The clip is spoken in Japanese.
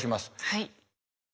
はい。